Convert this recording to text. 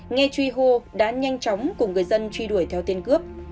nghe truy hô đã nhanh chóng cùng người dân truy đuổi theo tên cướp